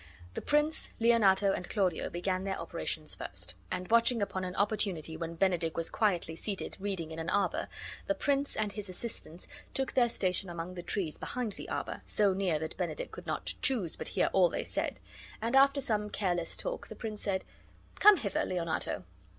The prince, Leonato, and Claudio began their operations first; and watching upon an opportunity when Benedick was quietly seated reading in an arbor, the prince and his assistants took their station among the trees behind the arbor, so near that Benedick could not choose but hear all they said; and after some careless talk the prince said: "Come hither, Leonato.